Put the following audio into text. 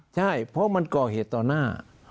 ใช่เพราะมันก่อเหตุต่อหน้า